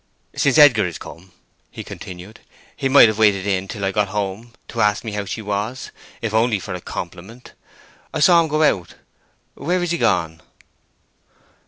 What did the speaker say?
"Since Edgar is come," he continued, "he might have waited in till I got home, to ask me how she was, if only for a compliment. I saw him go out; where is he gone?"